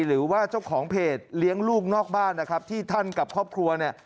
หรือว่าเจ้าของเพจเลี้ยงลูกนอกบ้านนะครับที่ท่านกับครอบครัวเนี่ย